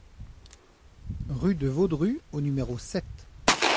Rue de Vaudru au numéro sept